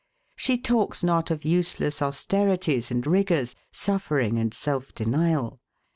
She talks not of useless austerities and rigours, suffering and self denial.